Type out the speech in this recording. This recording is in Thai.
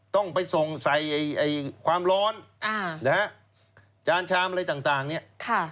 ต้องไปส่งใส่ไอ้ความร้อนอ่านะฮะจานชามอะไรต่างเนี่ย